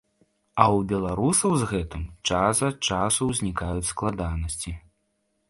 А ў беларусаў з гэтым час ад часу ўзнікаюць складанасці.